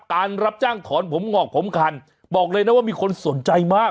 การรับจ้างถอนผมงอกผมคันบอกเลยนะว่ามีคนสนใจมาก